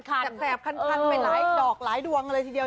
แสบคันไปหลายดอกหลายดวงเลยทีเดียว